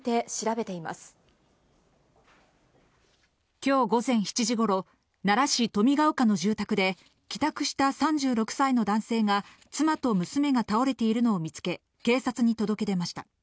きょう午前７時ごろ、奈良市登美ケ丘の住宅で、帰宅した３６歳の男性が、妻と娘が倒れているのを見つけ、警察に届け出ました。